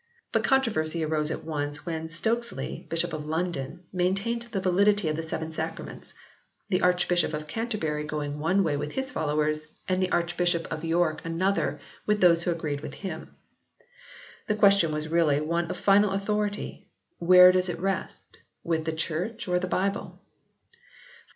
But controversy arose at once when Stokesley, Bishop of London, maintained the validity of the Seven Sacraments, the Archbishop of Canterbury going one way with his followers, and the Archbishop of York another, with those who agreed with him. The question was really one of final authority ; where does it rest, with the Church or the Bible?